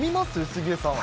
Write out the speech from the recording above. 杉江さん。